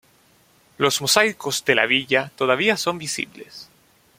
Los mosaicos de la villa todavía son visibles.